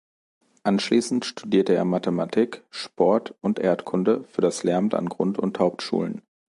Anschließend studierte er Mathematik, Sport und Erdkunde für das Lehramt an Grund- und Hauptschulen.